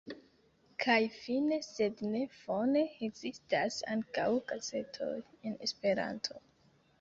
Kaj fine sed ne fone: ekzistas ankaŭ gazetoj en Esperanto.